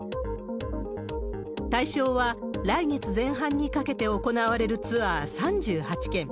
対象は、来月前半にかけて行われるツアー３８件。